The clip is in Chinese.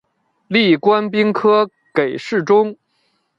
历官兵科给事中。